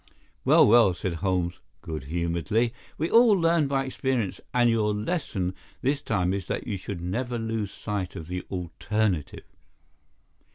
"Well, well," said Holmes, good humouredly. "We all learn by experience, and your lesson this time is that you should never lose sight of the alternative.